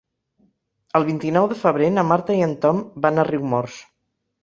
El vint-i-nou de febrer na Marta i en Tom van a Riumors.